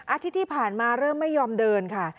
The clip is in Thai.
อาทิตย์ที่ผ่านมาเริ่มไม่ยอมเดินค่ะ